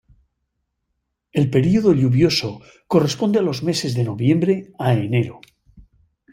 El período lluvioso corresponde a los meses de noviembre a enero.